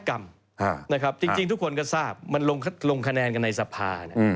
ก็มันเป็นวาธกรรมจริงทุกคนก็ทราบมันลงคะแนนกันในสภา